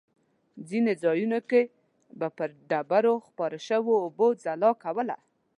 ځینې ځایونو کې به پر ډبرو خپرو شوو اوبو ځلا کوله.